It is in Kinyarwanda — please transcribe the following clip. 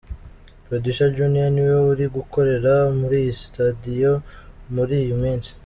Producer Junior ni we uri gukorera muri iyi studio muri iyi minsi.